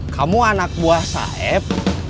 kamu anak buah saeb